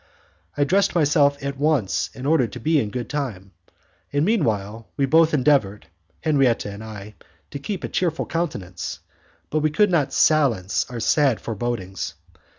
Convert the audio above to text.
I dressed myself at once in order to be in good time, and meanwhile we both endeavoured, Henriette and I, to keep a cheerful countenance, but we could not silence our sad forebodings.